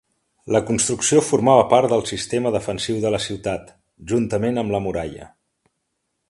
La construcció formava part del sistema defensiu de la ciutat, juntament amb la muralla.